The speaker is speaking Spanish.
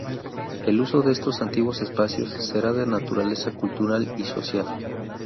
El uso de estos antiguos espacios será de naturaleza cultural y social.